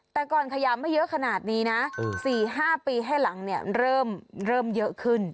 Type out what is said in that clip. แต่ก่อนขยำให้เยอะขนาดนี้นะ๔๕ปีให้หลังเนี่ยเริ่มเยอะขึ้น